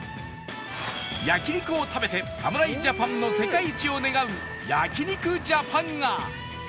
焼肉を食べて侍ジャパンの世界一を願う焼肉ジャパンが